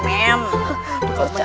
kau berangkat ya